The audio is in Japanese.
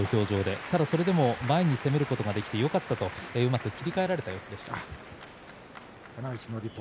それでも前に攻めることができてよかったと切り替えられた様子でした。